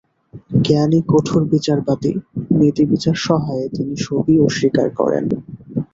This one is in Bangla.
জ্ঞানী কঠোর বিচারবাদী, নেতিবিচার-সহায়ে তিনি সবই অস্বীকার করেন।